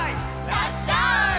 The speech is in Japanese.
「らっしゃい！」